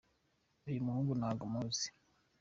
uyumuhungu ntago muzi